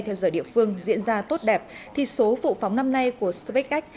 theo giờ địa phương diễn ra tốt đẹp thì số vụ phóng năm nay của spacex